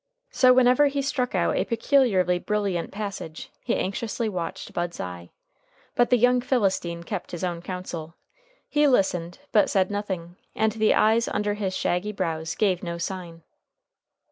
So, whenever he struck out a peculiarly brilliant passage, he anxiously watched Bud's eye. But the young Philistine kept his own counsel. He listened, but said nothing, and the eyes under his shaggy brows gave no sign.